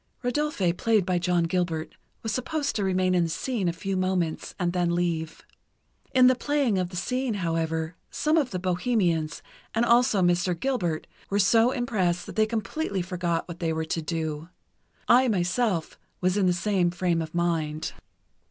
Rodolphe, played by John Gilbert, was supposed to remain in the scene a few moments and then leave. In the playing of the scene, however, some of the bohemians, and also Mr. Gilbert, were so impressed that they completely forgot what they were to do. I, myself, was in the same frame of mind.